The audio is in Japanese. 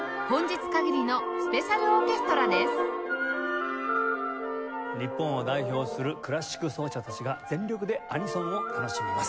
日本を代表するクラシック奏者たちが全力でアニソンを楽しみます。